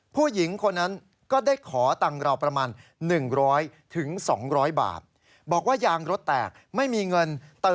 ผู้หญิงคนนั้นก็ได้ขอตังค์เราประมาณ๑๐๐๒๐๐บาท